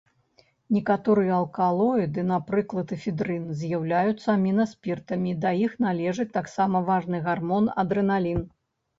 Некаторыя алкалоіды, напрыклад эфедрын, з'яўляюцца амінаспіртамі, да іх належыць таксама важны гармон адрэналін.